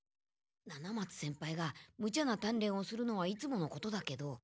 七松先輩がムチャな鍛錬をするのはいつものことだけど。